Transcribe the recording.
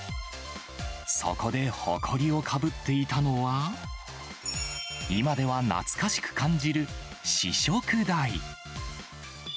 そこでほこりをかぶっていたのは、今では懐かしく感じる試食台。